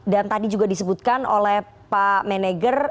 dan tadi juga disebutkan oleh pak menegger